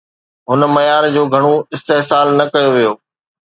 هن معيار جو گهڻو استحصال نه ڪيو ويو